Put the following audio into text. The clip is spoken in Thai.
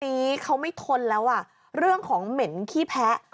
นี้เขาไม่ทนแล้วอ่ะเรื่องของเหม็นขี้แพ้